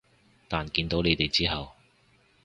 但見到你哋之後